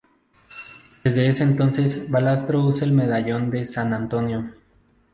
Desde ese entonces, Valastro usa el medallón de San Antonio.